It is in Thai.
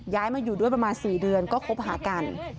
มาอยู่ด้วยประมาณ๔เดือนก็คบหากัน